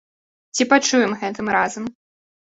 Ці пачуем гэтым разам?